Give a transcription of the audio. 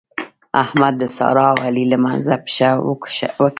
احمد د سارا او علي له منځه پښه وکښه.